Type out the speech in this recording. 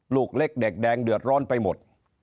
ลูกเล็กเด็กแดงเดือดร้อนไปหมด